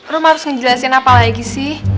rum harus ngejelasin apa lagi sih